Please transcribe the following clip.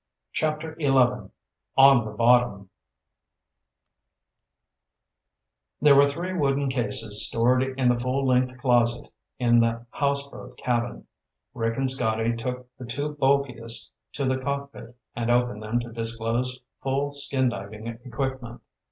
CHAPTER XI On the Bottom There were three wooden cases stored in the full length closet in the houseboat cabin. Rick and Scotty took the two bulkiest to the cockpit and opened them to disclose full skin diving equipment.